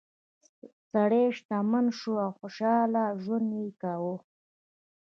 سړی شتمن شو او خوشحاله ژوند یې کاوه.